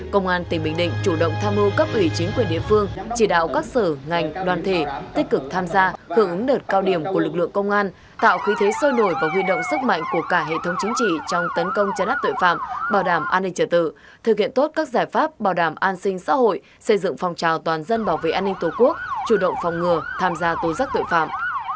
hai nghìn hai mươi bốn công an tỉnh bình định chủ động tham mưu cấp ủy chính quyền địa phương chỉ đạo các sở ngành đoàn thể tích cực tham gia hưởng ứng đợt cao điểm của lực lượng công an tạo khí thế sôi nổi và huy động sức mạnh của cả hệ thống chính trị trong tấn công chấn áp tuệ phạm bảo đảm an ninh trật tự thực hiện tốt các giải pháp bảo đảm an sinh xã hội xây dựng phòng trào toàn dân bảo vệ an ninh tổ quốc chủ động phòng ngừa tham gia tố giác tuệ phạm